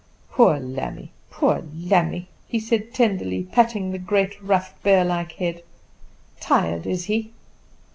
"Poor lambie, poor lambie!" he said, tenderly patting the great rough bear like head; "tired is he!"